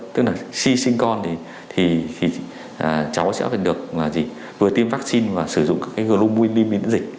tức là si sinh con thì cháu sẽ được vừa tiêm vaccine và sử dụng các cái globulin biến dịch